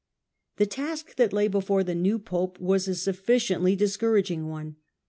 The task that lay before the new Pope was a suffici Gregory's ently discouraging one.